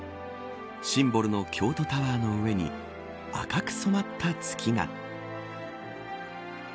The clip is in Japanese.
シンボルの京都タワーの上に赤く染まった月が。